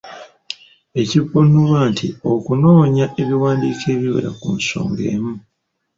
Ekivvuunulwa nti okunoonya ebiwandiiko ebiwera ku nsonga emu.